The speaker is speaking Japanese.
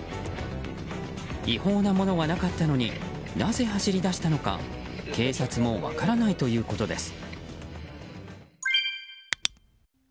違法なものはなかったのになぜ走り出したのか警察も分からないということです。